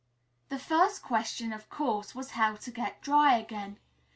The first question, of course, was how to get dry again.